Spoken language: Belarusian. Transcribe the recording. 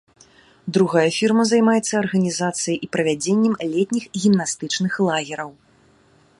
Другая фірма займаецца арганізацыяй і правядзеннем летніх гімнастычных лагераў.